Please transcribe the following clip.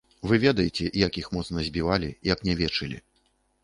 Вы ведаеце, як іх моцна збівалі, як нявечылі.